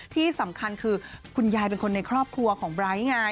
ที่สำคัญคือคุณยายเป็นคนในครอบครัวของไบร์ทไง